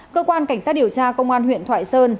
cơ quan cảnh sát điều tra công an huyện thoại sơn